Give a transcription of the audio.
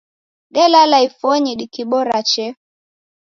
Delala ifonyi dikibora chee